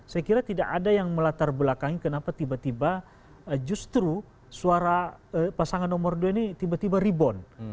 saya kira tidak ada yang melatar belakangi kenapa tiba tiba justru suara pasangan nomor dua ini tiba tiba rebound